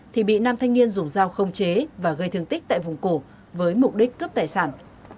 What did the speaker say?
thì bị nam thanh niên dùng dao không chế và gây thương tích tại vùng cổ với mục đích cướp tài sản